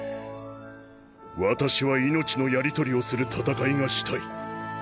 私は命のやりとりをする戦いがしたい。